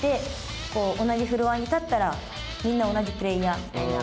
同じフロアに立ったらみんな同じプレーヤーみたいな。